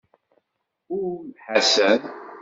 Ur d Ḥasan.